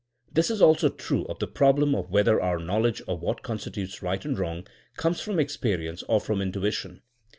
This is also true of the problem of whether our knowledge of what constitutes right and wrong comes from experience or from in tuition.